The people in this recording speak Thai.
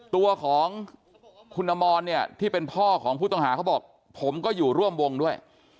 ตัวของคุณอมรเนี่ยที่เป็นพ่อของผู้ต้องหาเขาบอกผมก็อยู่ร่วมวงด้วย